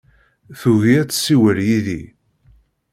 Tugi ad tessiwel yid-i.